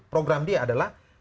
program dia adalah